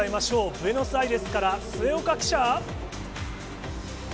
ブエノスアイレスから末岡記者。